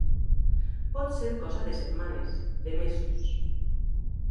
Potser cosa de setmanes, de mesos.